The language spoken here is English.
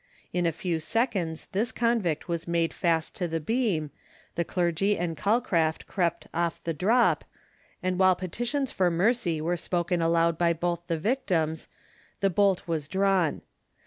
In a few seconds this convict was made fast to the beam, the Clergy and Calcraft crept off the drop, and while petitions for mercy were spoken aloud by both the victims, the bolt was drawn.